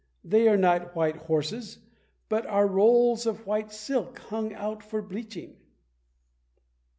They are not white horses, but are rolls of white silk hung out for bleaching."